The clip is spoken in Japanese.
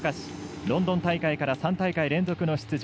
ロンドン大会から３大会連続の出場。